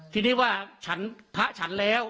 ทีนี้ว่าฉันพระฉันแล้ว